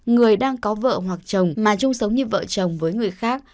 người đang có vợ hoặc chồng mà chung sống như vợ chồng với người khác